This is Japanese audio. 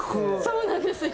そうなんですよ。